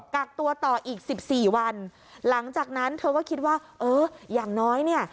กักตัวต่ออีกสิบสี่วันหลังจากนั้นเธอก็คิดว่าเอออย่างน้อยเนี่ย